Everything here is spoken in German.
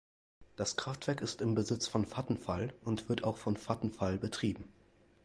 Das Kraftwerk ist im Besitz von Vattenfall und wird auch von Vattenfall betrieben.